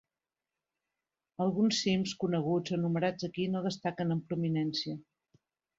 Alguns cims coneguts enumerats aquí no destaquen en prominència.